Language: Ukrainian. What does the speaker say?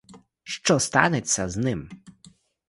Що станеться з ним?